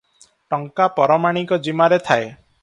ଟଙ୍କା ପରମାଣିକ ଜିମାରେ ଥାଏ ।